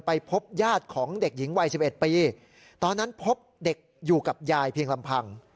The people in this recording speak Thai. พบญาติของเด็กหญิงวัย๑๑ปีตอนนั้นพบเด็กอยู่กับยายเพียงลำพัง